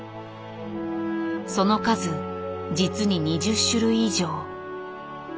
その数実に２０種類以上。